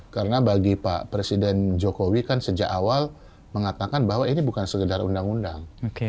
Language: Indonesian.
karena bagi pak presiden jokowi kan sejak awal mengatakan bahwa ini bukan sekedar undang undang